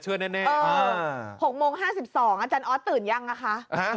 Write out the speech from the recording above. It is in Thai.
แน่๖โมง๕๒อาจารย์ออสตื่นยังอะคะ